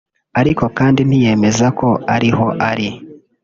ariko kandi ntiyemeza ko ari ho ari